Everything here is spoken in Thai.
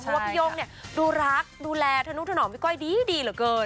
เพราะว่าพี่โย่งเนี่ยดูรักดูแลธนุถนอมพี่ก้อยดีเหลือเกิน